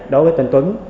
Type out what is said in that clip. đối với tân tuấn